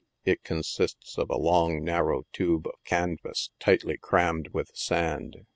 It consists of a long, narrow tube of canvas, tightly crammed with sand.